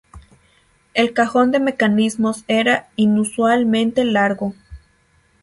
El cajón de mecanismos era inusualmente largo.